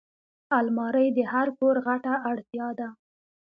الماري د هر کور غټه اړتیا ده